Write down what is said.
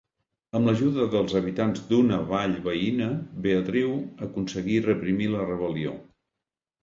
Amb l'ajuda dels habitants d'una vall veïna, Beatriu aconseguí reprimir la rebel·lió.